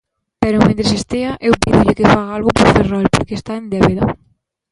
Pero mentres estea, eu pídolle que faga algo por Ferrol, porque está en débeda.